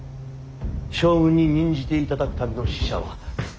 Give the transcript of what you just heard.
将軍に任じていただくための使者は。